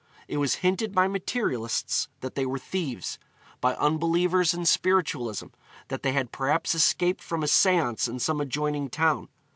It was hinted by materialists that they were thieves; by unbelievers in spiritualism that they had perhaps escaped from a seance in some adjoining town.